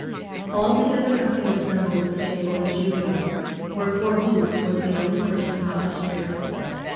All the other company assembled at table as usual, where poor Booth was the only person out of spirits.